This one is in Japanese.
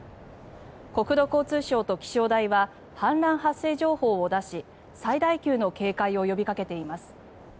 国土交通省と気象台は氾濫発生情報を出し最大級の警戒を呼びかけています。